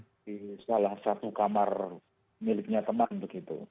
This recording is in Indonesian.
di salah satu kamar miliknya teman begitu